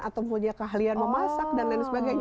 atau punya keahlian memasak dan lain sebagainya